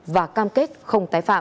và cam kết không tái phạm